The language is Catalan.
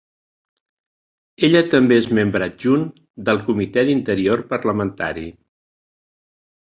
Ella també és membre adjunt del Comitè d'Interior parlamentari.